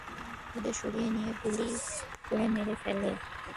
ওদের সরিয়ে নিয়ে গুলি করে মেরে ফেলে।